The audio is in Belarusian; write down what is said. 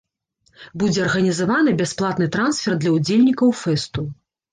Будзе арганізаваны бясплатны трансфер для ўдзельнікаў фэсту.